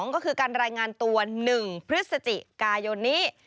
ก็คือการรายงานตัว๑พฤศจิกายนนี้